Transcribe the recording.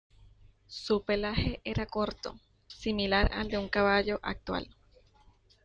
Su pelaje era corto, similar al de un caballo actual.